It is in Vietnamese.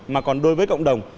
mà còn đối với cộng đồng